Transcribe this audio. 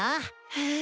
へえ！